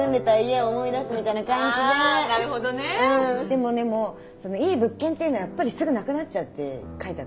でもでもいい物件っていうのはやっぱりすぐなくなっちゃうって書いてあったのね。